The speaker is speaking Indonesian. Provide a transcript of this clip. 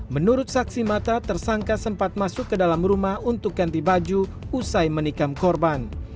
menurut saksi mata tersangka sempat masuk ke dalam rumah untuk ganti baju usai menikam korban